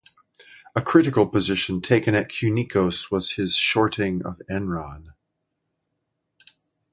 A critical position taken at Kynikos was his shorting of Enron.